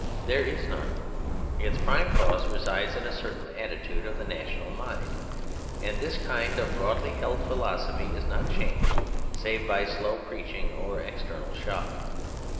There is none. Its prime cause resides in a certain attitude of the national mind, and this kind of broadly held philosophy is not changed save by slow preaching or external shock.